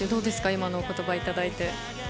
今の言葉をいただいて。